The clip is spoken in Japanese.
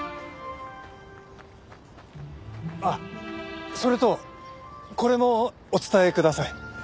あっそれとこれもお伝えください。